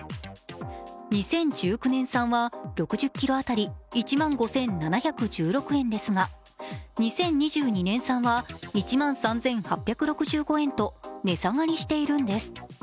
２０１９年産は６０ｋｇ当たり１万５７１６円ですが、２０２２年産は１万３８６５円と値下がりしているんです。